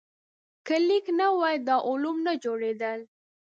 که لیک نه وای، دا علوم نه جوړېدل.